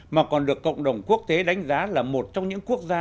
mà còn được cộng đồng quốc tế đánh giá là một trong những quốc gia